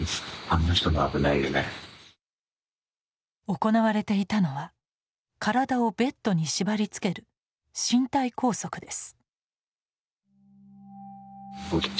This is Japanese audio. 行われていたのは体をベッドに縛りつける身体拘束です。